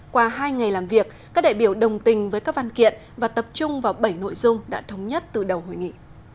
qua hai ngày làm việc các đại biểu đồng tình với các văn kiện và tập trung vào bảy nội dung đã thống nhất từ đầu hội nghị